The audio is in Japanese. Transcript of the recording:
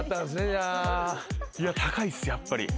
いや高いっすやっぱり。